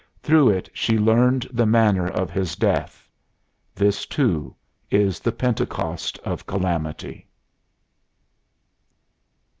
Through it she learned the manner of his death. This, too, is the Pentecost of Calamity.